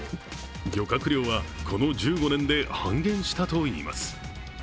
漁獲量はこの１５年で半減したといいます。